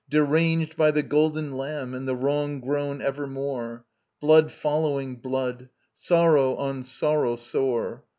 deranged By the Golden Lamb and the wrong grown ever more; Blood following blood, sorrow on sorrow sore!